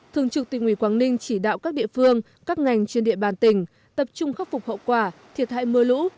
thường trực tỉnh ủy quảng ninh chỉ đạo các địa phương các ngành trên địa bàn tỉnh tập trung khắc phục hậu quả thiệt hại mưa lũ